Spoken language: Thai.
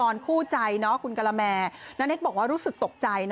รู้ใจเนอะคุณกะละแมนาเนคบอกว่ารู้สึกตกใจ